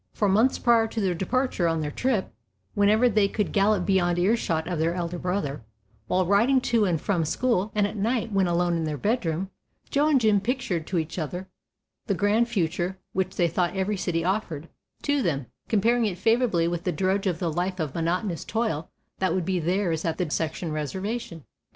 For months prior to their departure on their trip, whenever they could gallop beyond ear shot of their elder brother, while riding to and from school, and at night when alone in their bedroom, Joe and Jim pictured to each other the grand future which they thought every city offered to them, comparing it favorably with the drudge of the life of monotonous toil that would be theirs at the section reservation.